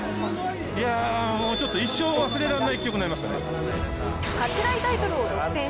いやぁ、もうちょっと、一生忘れらんない１局になりましたね。